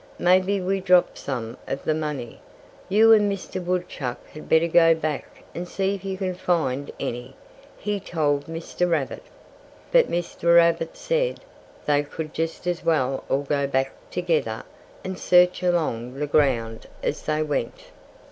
"Maybe we dropped some of the money. You and Mr. Woodchuck had better go back and see if you can find any," he told Mr. Rabbit. But Mr. Rabbit said that they could just as well all go back together and search along the ground as they went.